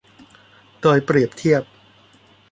โดยเปรียบเทียบ